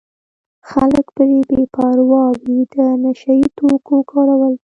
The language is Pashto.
خلک پرې بې باوره وي د نشه یي توکو کارول.